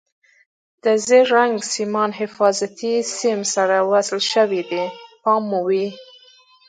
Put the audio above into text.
د زیړ رنګ سیمان حفاظتي سیم سره وصل شوي دي پام مو وي.